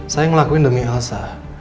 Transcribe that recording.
saya ngelakuin demi elsa